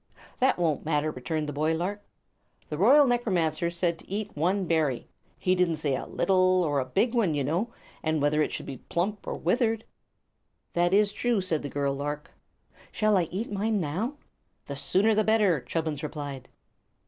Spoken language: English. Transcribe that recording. "That won't matter," returned the boy lark. "The Royal Necromancer said to eat one berry. He didn't say a little or a big one, you know, or whether it should be plump or withered." "That is true," said the girl lark. "Shall I eat mine now?" "The sooner the better," Chubbins replied.